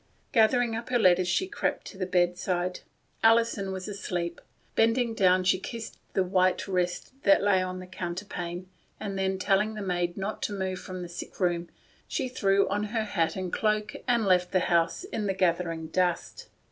. Gathering up her letters she crept to the bedside. Alison was asleep. Bending down she kissed the white wrist that lay on the counterpane, and then, telling the maid not to move from the sick room, she threw on her hat and cloak and left THE GATE OF SILENCE. 273 the house in the gathering dusk.